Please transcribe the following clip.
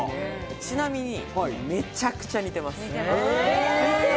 ちなみにめちゃくちゃ似てます。